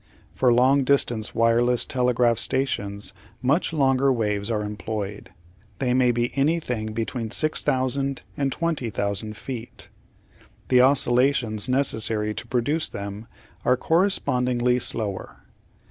For long distance wireless telegraph stations much longer waves are employed they may be anything between 6,000 and 20,000 feet. The oscillations necessary to produce them are correspondingly slower.